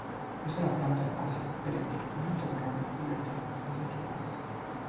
Es una planta herbácea perenne con muchas ramas cubiertas de pelillos rugosos.